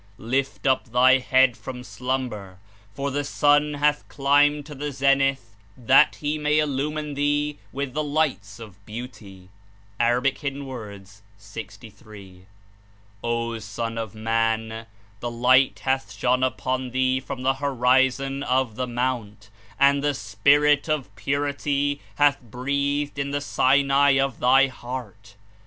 Lift up thy head from slumber, for the Sun has climbed to the zenith, that He may illumiui' thee ivith the Lights of Beauty J' (A. 63.) "O Son of Man! The Li^ht hath shone upon thee from the horizon of the Mount, and the Spirit of Purity hath breathed in the Sinai of thy heart.